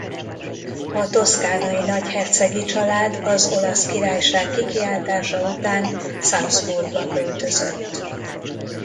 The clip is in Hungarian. A toszkánai nagyhercegi család az Olasz Királyság kikiáltása után Salzburgba költözött.